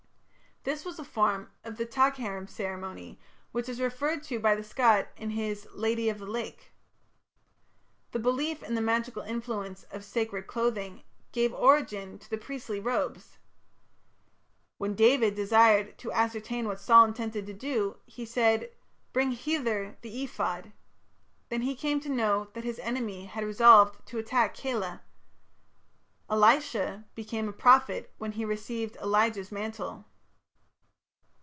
This was a form of the Taghairm ceremony, which is referred to by Scott in his "Lady of the Lake". The belief in the magical influence of sacred clothing gave origin to the priestly robes. When David desired to ascertain what Saul intended to do he said, "Bring hither the ephod". Then he came to know that his enemy had resolved to attack Keilah. Elisha became a prophet when he received Elijah's mantle.